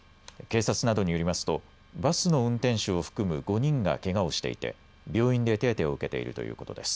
警察などによりますとバスの運転手を含む５人がけがをしていて病院で手当てを受けているということです。